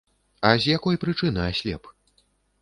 А з якой прычыны аслеп?